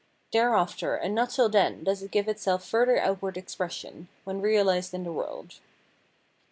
Thereafter and not till then does it give itself further outward expression, when reahsed in the world.